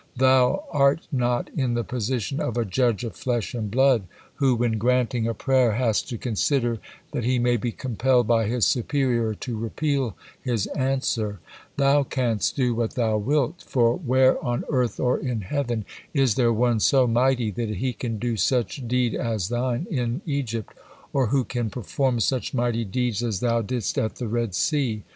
Thou are not in the position of a judge of flesh and blood who, when granting a prayer, has to consider that he may be compelled by his superior to repeal his answer, Thou canst do what Thou wilt, for where on earth or in heaven is there one so mighty that he can do such deed as Thine in Egypt, or who can perform such mighty deeds as Thou didst at the Red Sea?